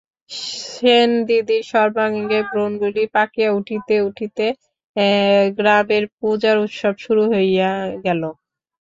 সেনদিদির সর্বাঙ্গে ব্রনগুলি পাকিয়া উঠিতে উঠিতে গ্রামের পূজার উৎসব শুরু হইয়া গেল।